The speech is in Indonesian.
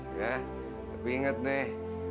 ya tapi inget nih